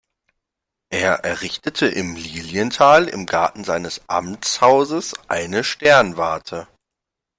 Er errichtete in Lilienthal im Garten seines Amtshauses eine Sternwarte.